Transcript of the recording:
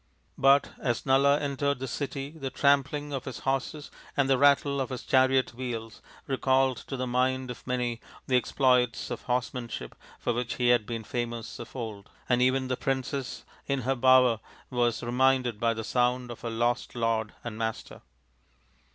But as Nala entered the city the trampling of his horses and the rattle of his chariot wheels recalled to the mind of many the exploits of horsemanship for which he had been famous of old ; and even the princess in her bower was reminded by the sound of her lost lord and master.